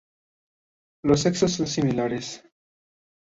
Los sexos son similares.